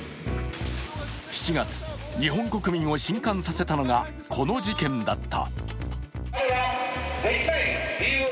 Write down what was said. ７月、日本国民を震撼させたのがこの事件だった。